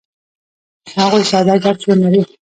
هغوی ساده ګډ ژوند لري.